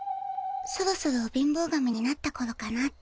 そろそろ貧乏神になったころかなって。